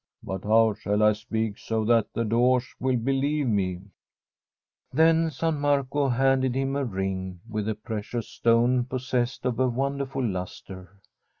But how shall I speak so that the Doge will believe me ?* Then San Marco handed him a ring with a precious stone possessed of a wonderful lustre.